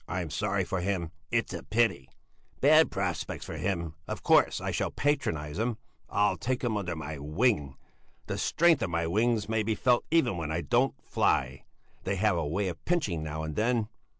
I'm sorry for him! It's a pity! Bad prospects for him. Of course, I shall patronize him! I'll take him under my wing! The strength of my wings may be felt even when I don't fly! They have a way of pinching now and then!